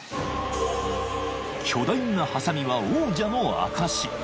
［巨大なハサミは王者の証し］